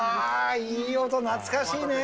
いい音、懐かしいね。